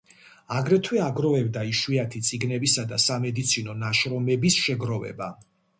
აგრეთვე აგროვებდა იშვიათი წიგნებისა და სამედიცინო ნაშრომების შეგროვება.